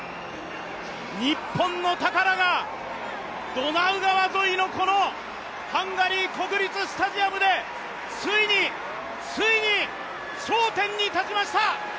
日本の宝がドナウ川沿いのこのハンガリー国立スタジアムでついに、ついに頂点に立ちました！